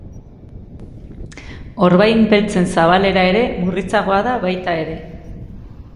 Orbain beltzen zabalera ere murritzagoa da baita ere.